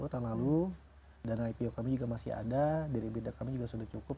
tahun lalu dana ipo kami juga masih ada dari bidang kami juga sudah cukup